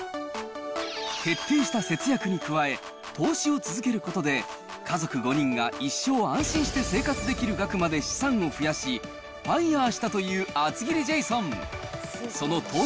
徹底した節約に加え、投資を続けることで、家族５人が一生安心して生活できる額まで資産を増やし、ファイアーしたという厚切りジェイソン。